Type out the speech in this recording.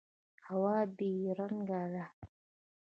هوا بې رنګه ده.